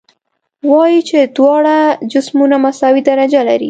وایو چې دواړه جسمونه مساوي درجه لري.